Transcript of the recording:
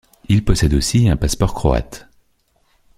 Il possède aussi un passeport croate.